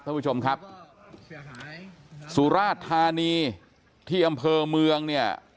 ท่านผู้ชมครับสุราชธานีที่อำเภอเมืองเนี่ย